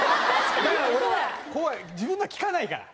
だから俺は怖い自分のは聞かないから。